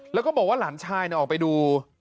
แล้วก็บอกว่าหลานชายออกไปดู